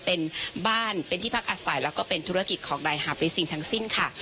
เป็นบ้านเป็นที่พักอาศัยแล้วก็เป็นธุรกิจของนายฮาปริซิงทั้งสิ้นค่ะ